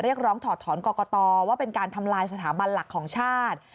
เรียกร้องถอดถอนกรกตว่าเป็นการทำลายสถาบันหลักของชาติ